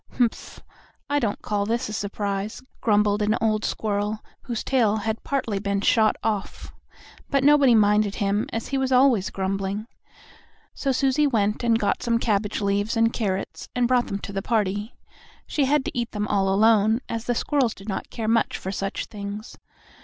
"Humph! I don't call this a surprise," grumbled an old squirrel, whose tail had partly been shot off. But nobody minded him, as he was always grumbling. So Susie went and got some cabbage leaves and carrots, and brought them to the party. She had to eat them all alone, as the squirrels did not care much for such things.